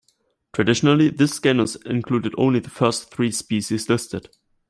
Traditionally this genus included only the first three species listed.